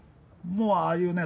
もうああいうね